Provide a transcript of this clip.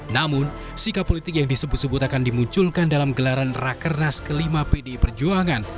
namun sikap politik yang disebut sebut akan dimunculkan dalam gelaran rakernas ke lima pdi perjuangan